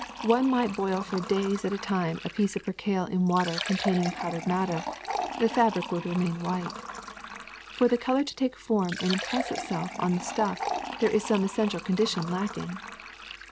One might boil for days at a time a piece of percale in water containing powdered mad der; the fabric would remain white. For the color to take form and impress itself on the stuff there is some essential condition lacking.''